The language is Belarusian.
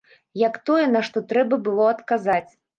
Як тое, на што трэба было адказаць.